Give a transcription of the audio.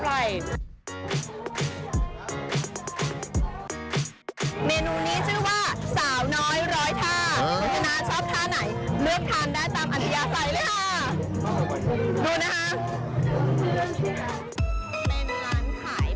ชนะชอบท่าไหนเลือกทานได้ตามอันยาใส่เลยค่ะ